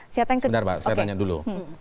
sebenarnya saya tanya dulu